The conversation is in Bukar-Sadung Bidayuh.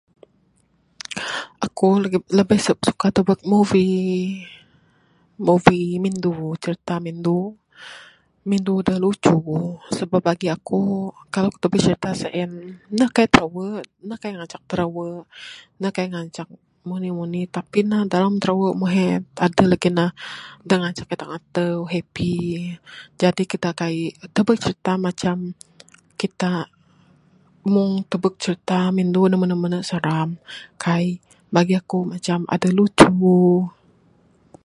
Aku lebih suka tebuka movie, movie mindu cerita mindu da lucu. Sabab bagi aku kalau aku tubek cerita sien ne kai tirawe ne kai ngancak tirawe ne kai ngancak mung nih mung nih tapi dalam tirawe mung he adeh legi ne da ngancak kita netau dak happy jadi kita kaik tebuk cerita macam kita mung tebuk cerita mindu da mene mene seram, kai bagi aku macam adeh lucu.